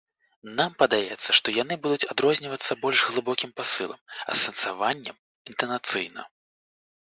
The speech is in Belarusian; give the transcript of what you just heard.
Нам падаецца, што яны будуць адрознівацца больш глыбокім пасылам, асэнсаваннем, інтанацыйна.